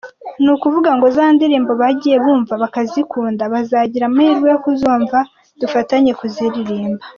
Ni ukuvuga ngo za ndirimbo bagiye bumva bakazikunda, bazagira amahirwe yo kuzumva, dufatanye kuziririmba.